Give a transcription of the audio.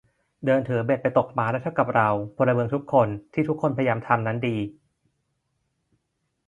เดินถือเบ็ดไปตกปลาได้เท่ากับเราพลเมืองทุกคน ที่ทุกคนพยายามทำนั้นดี